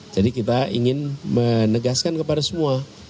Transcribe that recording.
jadi kita ingin menegaskan kepada semua